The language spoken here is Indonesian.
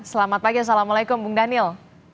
selamat pagi assalamualaikum bung daniel